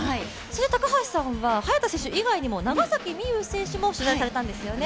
高橋さんは早田選手以外にも長崎美柚さんも取材されたんですよね。